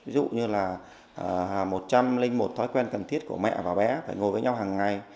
ví dụ như là một trăm linh một thói quen cần thiết của mẹ và bé phải ngồi với nhau hàng ngày